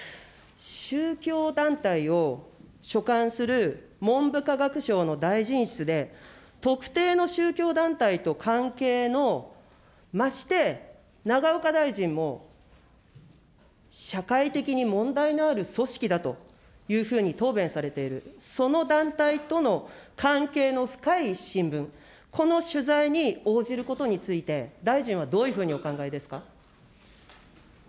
宗教団体を所管する文部科学省の大臣室で、特定の宗教団体と関係の、まして永岡大臣も、社会的に問題のある組織だというふうに答弁されている、その団体との関係の深い新聞、この取材に応じることについて、大臣はどういうふうにお考えですか。